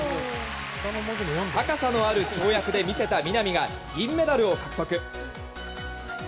高さのある跳躍で見せた南が銀メダルを獲得。